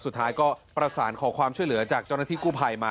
สุดท้ายก็ประสานขอความช่วยเหลือจากเจ้าหน้าที่กู้ภัยมา